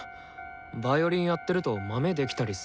ヴァイオリンやってるとマメできたりするから。